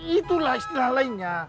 itulah istilah lainnya